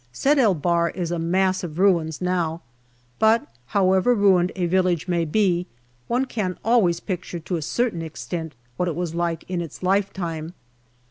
Sed el Bahr is a mass of ruins now, but, however ruined a village may be, one can always picture to a certain extent what it was like in its lifetime.